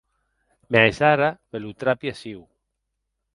Mès ara me lo trapi aciu.